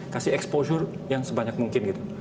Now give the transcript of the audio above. kasih exposure yang sebanyak mungkin gitu